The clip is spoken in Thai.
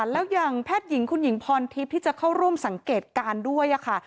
แล้วอย่างแพทย์หญิงคุณหญิงพรทิพย์ที่จะเข้าร่วมสังเกตการณ์ด้วยค่ะ